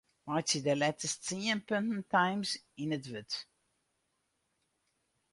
Meitsje de letters tsien punten Times yn it wurd.